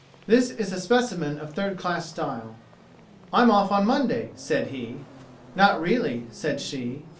This is a specimen of third class style. "I'm off on Monday," said he. "Not really," said she.